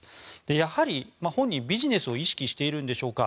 やはり本人、ビジネスを意識しているんでしょうか。